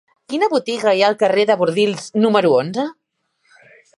Quina botiga hi ha al carrer de Bordils número onze?